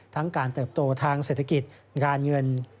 การเติบโตทางเศรษฐกิจงานเงิน